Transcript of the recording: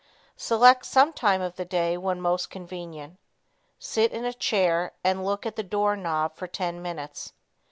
Select some time of the day when most convenient. Sit in a chair and look at the door knob for ten minutes.